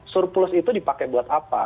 surplus itu dipakai buat apa